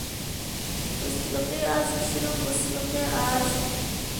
راستلىقى ئاز كىشىنىڭ دوستلۇقى ئاز.